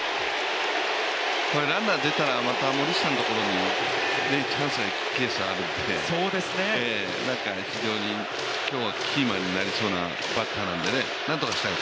ランナー出たら、また森下のところにチャンスがいくケースがあるので非常に今日はキーマンになりそうなバッターなんでね。